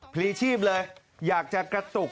ปกติเลยอยากจะกระตุก